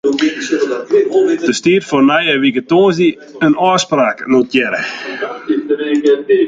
Der stiet foar nije wike tongersdei in ôfspraak notearre.